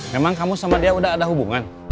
memang kamu sama dia udah ada hubungan